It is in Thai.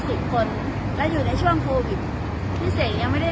สิบคนและอยู่ในช่วงโควิดพี่เสกยังไม่ได้